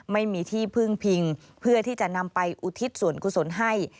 ไม่มีที่พึ่งพิงเพื่อที่จะนำไปอุทิศส่วนกุศลให้